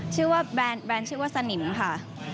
ชื่อว่าแบรนด์ชื่อว่าสนิมค่ะ